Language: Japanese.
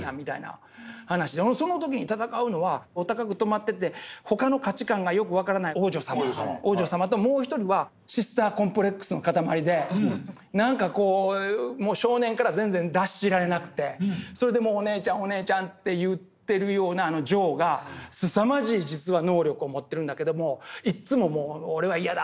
その時に戦うのはお高くとまってて他の価値観がよく分からない王女様王女様ともう一人はシスターコンプレックスのかたまりで何か少年から全然脱しられなくてそれでお姉ちゃんお姉ちゃんって言ってるようなあの丈がすさまじい実は能力を持ってるんだけどもいっつも俺は嫌だ！